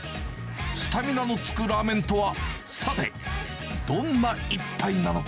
スタミナのつくラーメンとは、さて、どんな一杯なのか。